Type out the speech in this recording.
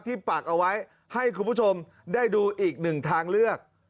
ปักเอาไว้ให้คุณผู้ชมได้ดูอีกหนึ่งทางเลือก